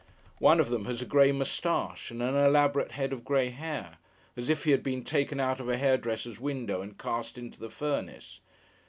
One of them has a grey moustache, and an elaborate head of grey hair: as if he had been taken out of a hairdresser's window and cast into the furnace.